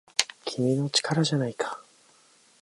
「君の！力じゃないか!!」